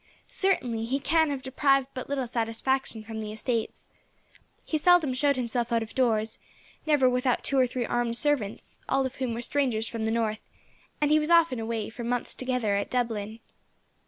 Certainly, he can have derived but little satisfaction from the estates. He seldom showed himself out of doors, never without two or three armed servants, all of whom were strangers from the north, and he was often away, for months together, at Dublin."